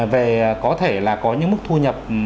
về có thể là có những mức thu nhập